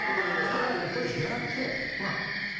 ただやっぱりギャラって。